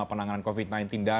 pertanyaannya adalah apakah